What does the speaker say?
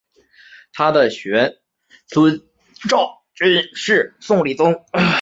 他的玄孙赵昀是宋理宗。